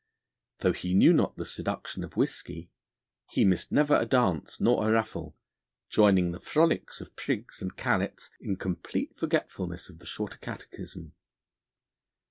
Though he knew not the seduction of whisky, he missed never a dance nor a raffle, joining the frolics of prigs and callets in complete forgetfulness of the shorter catechism.